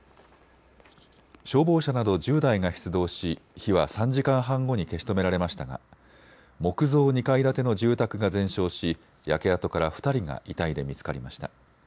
消防車など１０台が出動し火は３時間半後に消し止められましたが木造２階建ての住宅が全焼し焼け跡から２人が遺体で見つかりました。